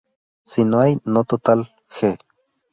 Si no, hay no tal "G".